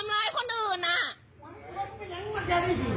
มันไม่ใช่เรื่องของคุณคุณไม่มีสิทธิ์ทำร้ายร่างกาย